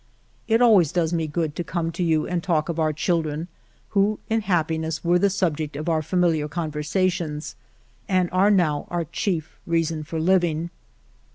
"It always does me good to come to you and talk of our children, who in happiness were the subject of our familiar conversations, and are now our chief reason for Hving.